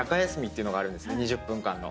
２０分間の。